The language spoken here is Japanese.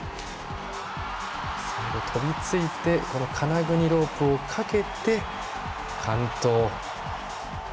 最後、飛びついてロープをかけて完登。